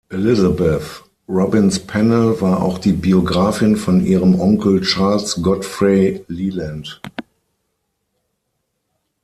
Elizabeth Robins Pennell war auch die Biographin von ihrem Onkel Charles Godfrey Leland.